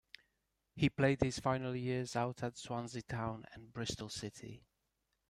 He played his final years out at Swansea Town and Bristol City.